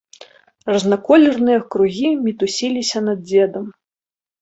Разнаколерныя кругі мітусіліся над дзедам.